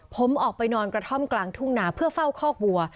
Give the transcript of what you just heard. ผมออกไปนอนกระท่อมกลางทุ่งนาเพื่อเฝ้าคอกวัว